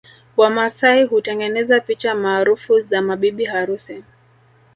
Wamasai hutengeneza picha maarufu za mabibi harusi